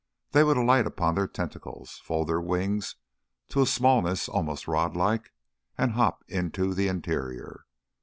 They would alight upon their tentacles, fold their wings to a smallness almost rod like, and hop into the interior.